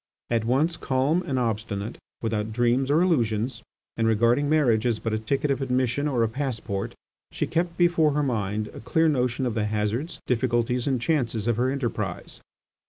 At once calm and obstinate, without dreams or illusions, and regarding marriage as but a ticket of admission or a passport, she kept before her mind a clear notion of the hazards, difficulties, and chances of her enterprise.